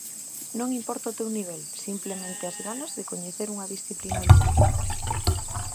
Non importa o teu nivel, simplemente as ganas de coñecer unha disciplina olímpica.